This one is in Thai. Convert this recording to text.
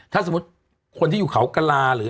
ถ้าสมมุติคนที่อยู่เขากระลาหรือ